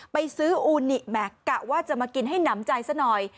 ไปซื้ออูนิแม็กซะว่าจะมากินให้หนำใจซะหน่อย